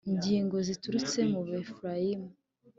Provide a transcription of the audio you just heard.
ng ingabo ziturutse mu befurayimu